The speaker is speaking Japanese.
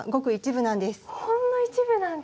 ほんの一部なんですね。